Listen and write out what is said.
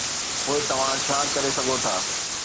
پوء توهان ڇا ڪري سگهو ٿا؟